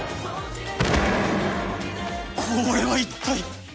これは一体！